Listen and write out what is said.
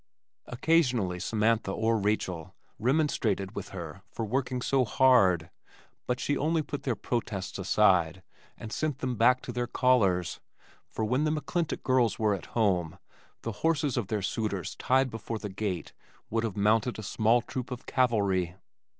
Occasionally Samantha or Rachel remonstrated with her for working so hard, but she only put their protests aside and sent them back to their callers, for when the McClintock girls were at home, the horses of their suitors tied before the gate would have mounted a small troop of cavalry.